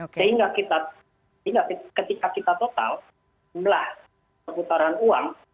sehingga ketika kita total jumlah perputaran uang